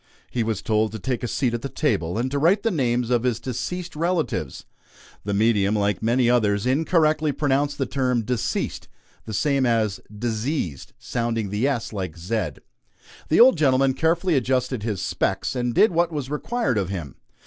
He was told to take a seat at the table, and to write the names of his deceased relatives. The medium, like many others, incorrectly pronounced the term "deceased," the same as "diseased" sounding the s like z. The old gentleman carefully adjusted his "specs" and did what was required of him.